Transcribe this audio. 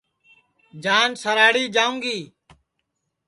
جان سراڑھی جاوں گی